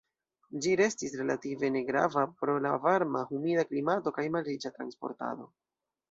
Ĝi restis relative negrava pro la varma, humida klimato kaj malriĉa transportado.